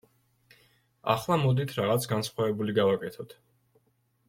ახლა მოდით რაღაც განსხვავებული გავაკეთოთ.